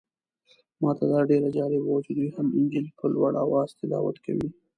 ماته دا ډېر جالبه و چې دوی هم انجیل په لوړ اواز تلاوت کوي.